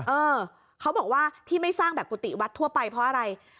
เออเขาบอกว่าที่ไม่สร้างแบบกุฏิวัดทั่วไปเพราะอะไร